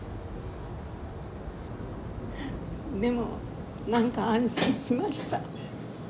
でも何か安心しました。